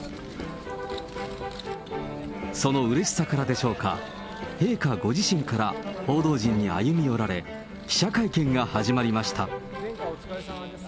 そのうれしさからでしょうか、陛下ご自身から報道陣に歩み寄られ、記者会見が始まりました。